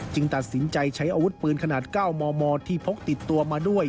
ตัดสินใจใช้อาวุธปืนขนาด๙มมที่พกติดตัวมาด้วย